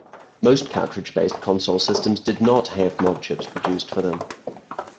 Most cartridge-based console systems did not have modchips produced for them.